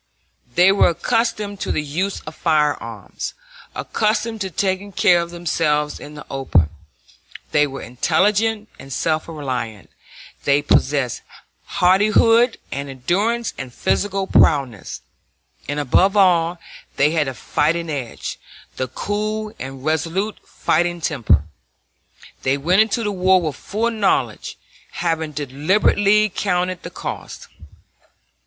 They were accustomed to the use of firearms, accustomed to taking care of themselves in the open; they were intelligent and self reliant; they possessed hardihood and endurance and physical prowess; and, above all, they had the fighting edge, the cool and resolute fighting temper. They went into the war with full knowledge, having deliberately counted the cost.